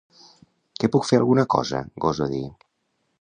Què puc fer alguna cosa?— goso dir.